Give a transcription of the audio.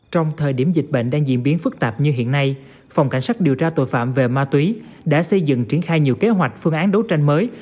trong thời điểm dịch bệnh đang diễn biến phức tạp như hiện nay phòng cảnh sát điều tra tội phạm về ma túy đã xây dựng triển khai nhiều kế hoạch phương án đấu tranh mới